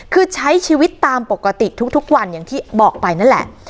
คือใช้ชีวิตตามปกติทุกวันอย่างที่บอกไปนั่นแหละ